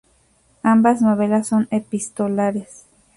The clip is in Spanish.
Ambas novelas son epistolares.